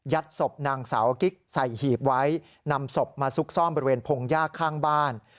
ศพนางสาวกิ๊กใส่หีบไว้นำศพมาซุกซ่อนบริเวณพงยากข้างบ้าน